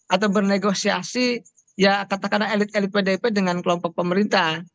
atau bernegosiasi ya katakanlah elit elit pdip dengan kelompok pemerintah